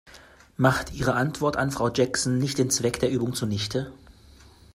Macht Ihre Antwort an Frau Jackson nicht den Zweck der Übung zunichte?